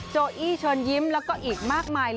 โจอี้เชิญยิ้มแล้วก็อีกมากมายเลย